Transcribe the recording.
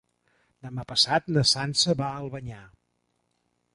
Demà passat na Sança va a Albanyà.